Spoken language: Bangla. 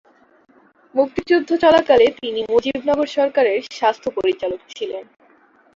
মুক্তিযুদ্ধ চলাকালে তিনি মুজিবনগর সরকারের স্বাস্থ্য পরিচালক ছিলেন।